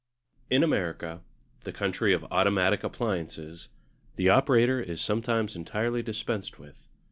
In America, the country of automatic appliances, the operator is sometimes entirely dispensed with.